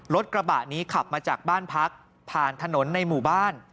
รถกระบะนี้ขับมาจากบ้านพักผ่านถนนในหมู่บ้าน